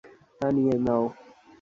তা নিয়ে নাও।